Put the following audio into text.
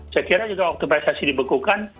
saya kira juga waktu pssi dibekukan